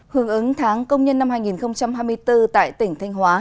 hướng ứng tháng công nhân năm hai nghìn hai mươi bốn tại tỉnh thanh hóa